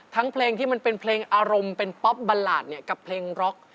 ทั้งเพลงที่มันเป็นเพลงอารมณ์เป็นป๊อปบลาดกับเพลงร็อค